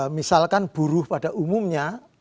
misalkan buruh pada umumnya